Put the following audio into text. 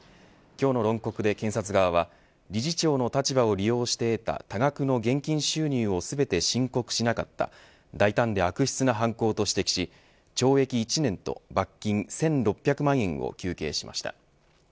今日の論告で検察側は理事長の立場を利用して得た多額の現金収入を全て申告しなかった大胆で悪質な犯行と指摘し懲役１年と罰金１６００万円を求刑しました。